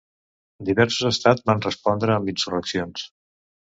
Diversos estats van respondre amb insurreccions.